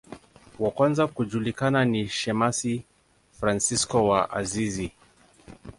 Wa kwanza kujulikana ni shemasi Fransisko wa Asizi.